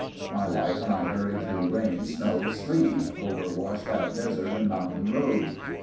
My wife and I hurried through rain, snow, sleet; over washed out desert and mountain roads.